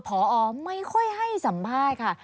พอไม่ค่อยให้สัมภาษณ์ค่ะ